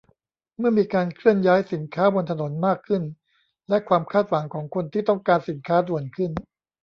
เมื่อมีการเคลื่อนย้ายสินค้าบนถนนมากขึ้น และความคาดหวังของคนที่ต้องการสินค้าด่วนขึ้น